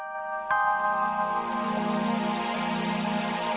sampai jumpa di video selanjutnya